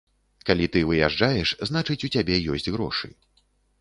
Калі ты выязджаеш, значыць, у цябе ёсць грошы.